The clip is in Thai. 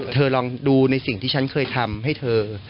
ลองดูในสิ่งที่ฉันเคยทำให้เธอ